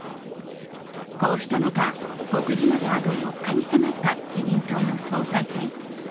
こうした中、告示まであと４日に迫った自民党の総裁選。